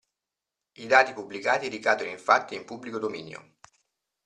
I dati pubblicati ricadono infatti in pubblico dominio.